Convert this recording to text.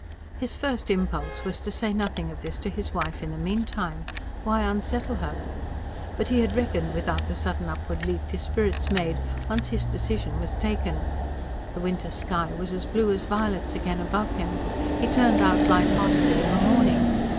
His first impulse was to say nothing of this to his wife in the meantime. Why unsettle her? But he had reckoned without the sudden upward leap his spirits made, once his decision was taken: the winter sky was blue as violets again above him; he turned out light heartedly of a morning.